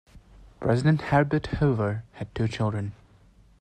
President Herbert Hoover had two children.